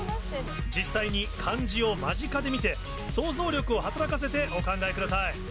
実際に漢字を間近で見て想像力を働かせてお考えください。